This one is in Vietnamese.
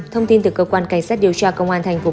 thông tin từ cơ quan cảnh sát điều tra công an thành phố